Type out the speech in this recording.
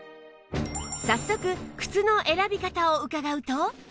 早速靴の選び方を伺うと